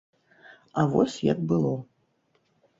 А вось як было.